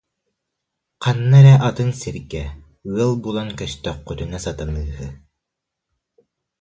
Ханна эрэ атын сиргэ, ыал булан көстөххүтүнэ сатаныыһы»